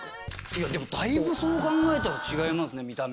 でもだいぶそう考えたら違いますね見た目。